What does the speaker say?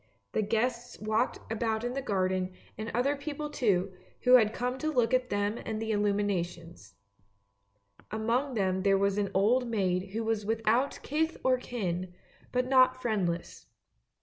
The guests walked about in the garden, and other people too, who had come to look at them and at the illuminations. Among them there was an old maid who was without kith or kin, but not friendless.